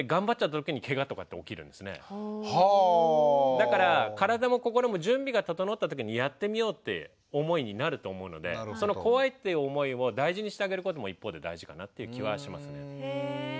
だから体も心も準備が整った時に「やってみよう」って思いになると思うのでその怖いって思いを大事にしてあげることも一方で大事かなっていう気はしますね。